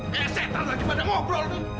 kayak setel lagi pada ngobrol tuh